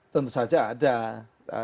tentu saja ada